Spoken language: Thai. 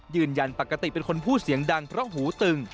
ยืนยันปกติเป็นคนพูดเสียงดังเพราะหูตึง